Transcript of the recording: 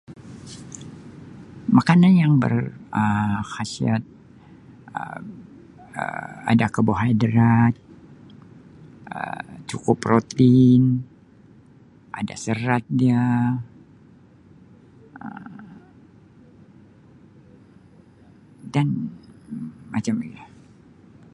Makanan yang ber ah khasiat err ada karbohidrat err cukup protein ada serat dia err dan [unintelligible]